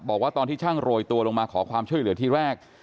บอกว่าตอนที่ช่างโรยตัวลงมาขอความช่วยเหลือที่แรก